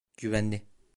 Güvenli.